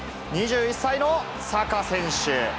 ２１歳のサカ選手。